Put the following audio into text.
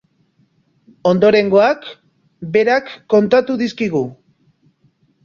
Ondorengoak berak kontatu dizkigu.